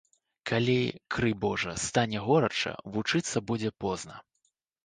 Калі, крый божа, стане горача, вучыцца будзе позна.